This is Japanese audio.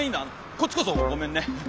こっちこそごめんね。